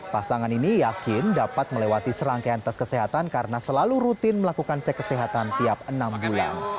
pasangan ini yakin dapat melewati serangkaian tes kesehatan karena selalu rutin melakukan cek kesehatan tiap enam bulan